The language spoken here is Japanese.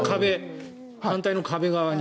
反対の壁側に。